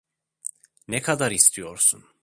Ne kadar istiyorsun?